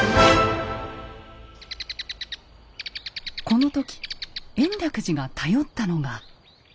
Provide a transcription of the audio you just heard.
この時延暦寺が頼ったのが。